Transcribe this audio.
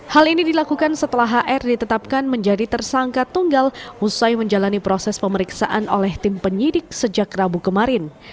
hal ini dilakukan setelah hr ditetapkan menjadi tersangka tunggal usai menjalani proses pemeriksaan oleh tim penyidik sejak rabu kemarin